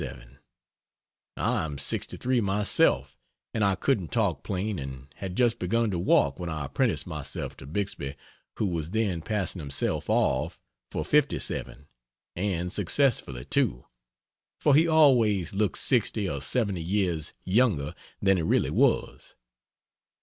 I am 63 myself, and I couldn't talk plain and had just begun to walk when I apprenticed myself to Bixby who was then passing himself off for 57 and successfully too, for he always looked 60 or 70 years younger than he really was.